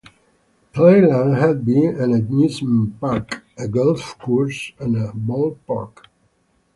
Playland had been an amusement park, a golf course, and a ballpark.